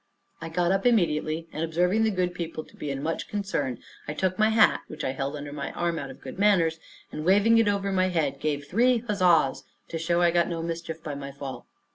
I got up immediately, and observing the good people to be in much concern, I took my hat (which I held under my arm out of good manners), and waving it over my head, gave three huzzas, to show I had got no mischief by my fall.